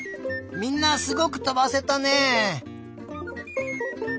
みんなすごくとばせたね！